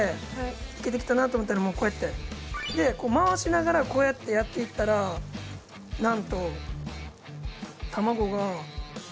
いけてきたなと思ったらもうこうやって。で回しながらこうやってやっていったらなんと卵がオムレツみたいになっていくから。